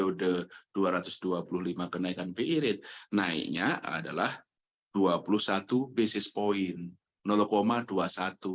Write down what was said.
jadi selama periode dua ratus dua puluh lima kenaikan bi rate naiknya adalah dua puluh satu basis point